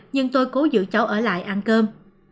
nhưng tôi cố giữ cháu ở lại ăn cơm